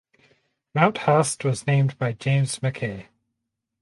Mount Haast was named by James Mackay.